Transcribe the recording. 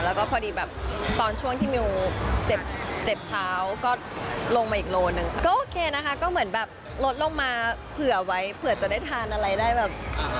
แล้วก็พอดีแบบตอนช่วงที่มิวเจ็บท้าวก็ลงมาอีกโลละนึง